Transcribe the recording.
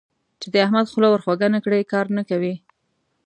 چې د احمد خوله ور خوږه نه کړې؛ کار نه کوي.